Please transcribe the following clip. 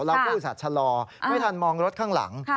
เรากู้สัตว์ชะลอไม่ทันมองรถข้างหลัง